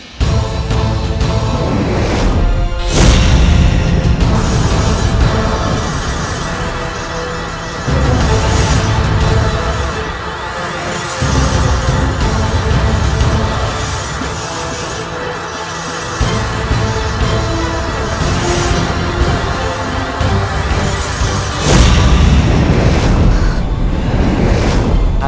pukulan perempuan jahat